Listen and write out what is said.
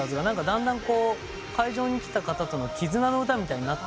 だんだん会場に来た方との絆の歌みたいになってて。